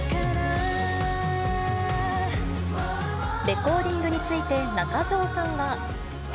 レコーディングについて中条さんは。